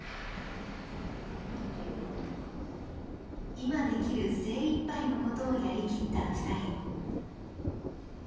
今できる精いっぱいのことをやり切った２人。